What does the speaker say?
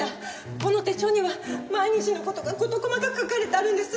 この手帳には毎日の事が事細かく書かれてあるんです。